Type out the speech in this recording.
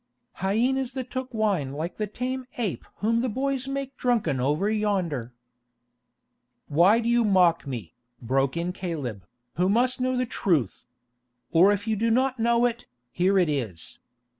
"Hyenas that took wine like the tame ape whom the boys make drunken over yonder——" "Why do you mock me," broke in Caleb, "who must know the truth? Or if you do not know it, here it is.